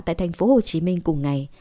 tại thành phố hồ chí minh cùng ngày